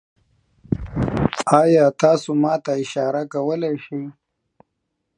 ایا تاسو ما ته اشاره کولی شئ؟